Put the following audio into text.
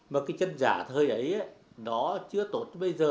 mà cái chân giả thời ấy nó chưa tốt bây giờ